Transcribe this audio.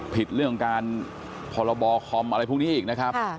เรื่องการพรบคอมอะไรพวกนี้อีกนะครับ